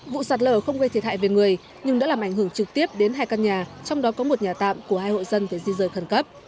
vụ sạt lở không gây thiệt hại về người nhưng đã làm ảnh hưởng trực tiếp đến hai căn nhà trong đó có một nhà tạm của hai hộ dân về di rời khẩn cấp